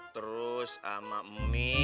terus sama mie